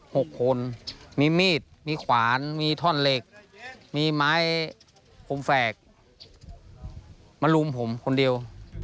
หกคนมีมีดมีขวานมีท่อนเหล็กมีไม้คมแฝกมารุมผมคนเดียว